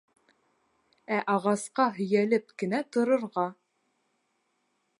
Ә ағасҡа һөйәлеп кенә торорға.